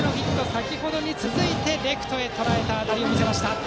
先程に続いてレフトへとらえた当たりを見せました。